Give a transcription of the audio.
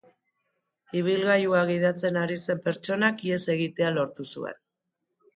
Ibilgailua gidatzen ari zen pertsonak ihes egitea lortu zuen.